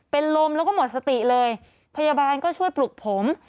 เป็นลมแล้วก็หมดสติเลยพยาบาลก็ช่วยปลุกผม